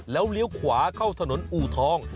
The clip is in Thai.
แล้วเลี้ยวขวาเข้าถนนอูทอง